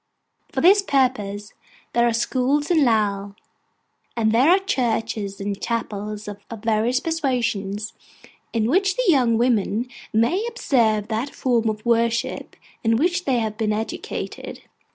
For this purpose there are schools in Lowell; and there are churches and chapels of various persuasions, in which the young women may observe that form of worship in which they have been educated.